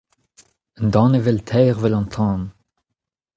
Un danevell taer evel an tan !